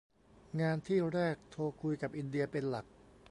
งานที่แรกโทรคุยกับอินเดียเป็นหลัก